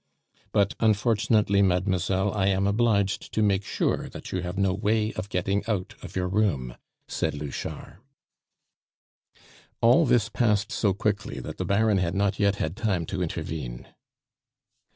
"But, unfortunately, mademoiselle, I am obliged to make sure that you have no way of getting out of your room," said Louchard. All this passed so quickly that the Baron had not yet had time to intervene.